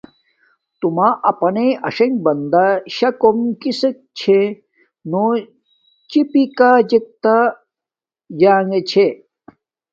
تو ما پانایݵ اݽنݣ بنداشاہ کوم کسک چھاہ نو چی پی کاجک تا جنگے چھے